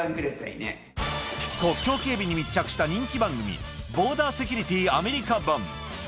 国境警備に密着した人気番組、ボーダーセキュリティーアメリカ版。